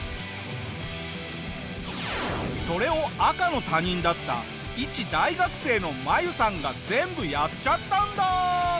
それを赤の他人だった一大学生のマユさんが全部やっちゃったんだ！